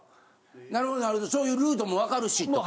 なるほどそういうルートもわかるしとか？